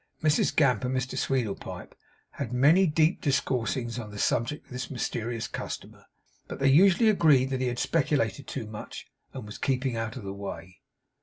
Mrs Gamp and Mr Sweedlepipe had many deep discoursings on the subject of this mysterious customer; but they usually agreed that he had speculated too much and was keeping out of the way.